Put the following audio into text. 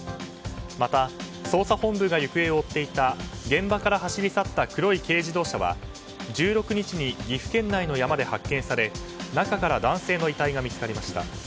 また、捜査本部が行方を追っていた現場から走り去った黒い軽自動車は１６日に岐阜県内の山で発見され中から男性の遺体が見つかりました。